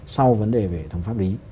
sau vấn đề về hệ thống pháp lý